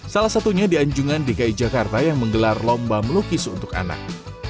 salah satunya di anjungan dki jakarta yang menggelar lomba melukis untuk anak